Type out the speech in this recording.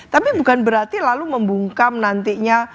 tapi bukan berarti lalu membungkam nantinya